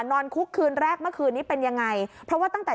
นอนคุกคืนแรกเมื่อคืนนี้เป็นอย่างไร